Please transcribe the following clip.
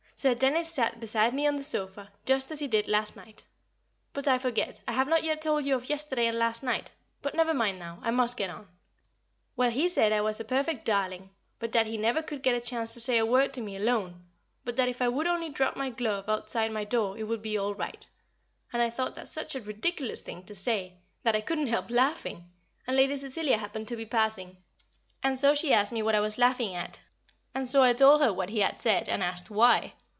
Sir Dennis sat beside me on the sofa just as he did last night but I forget, I have not yet told you of yesterday and last night; but never mind now, I must get on. Well, he said I was a perfect darling, but that he never could get a chance to say a word to me alone, but that if I would only drop my glove outside my door it would be all right; and I thought that such a ridiculous thing to say, that I couldn't help laughing, and Lady Cecilia happened to be passing, and so she asked me what I was laughing at, and so I told her what he had said, and asked why?